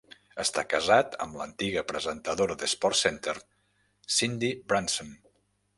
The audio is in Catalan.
Està casat amb l'antiga presentadora de SportsCenter, Cindy Brunson.